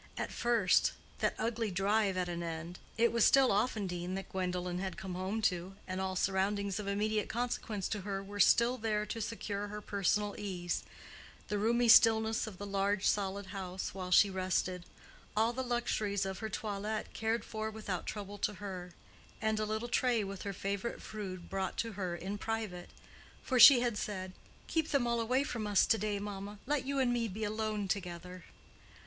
At first—that ugly drive at an end—it was still Offendene that Gwendolen had come home to, and all surroundings of immediate consequence to her were still there to secure her personal ease; the roomy stillness of the large solid house while she rested; all the luxuries of her toilet cared for without trouble to her; and a little tray with her favorite food brought to her in private. For she had said, "Keep them all away from us to day, mamma. Let you and me be alone together."